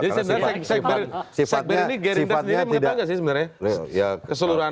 jadi sebenarnya sackberry ini gerindasnya ini mengatakan gak sih sebenarnya keseluruhan